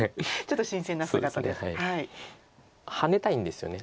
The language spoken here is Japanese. ハネたいんですよね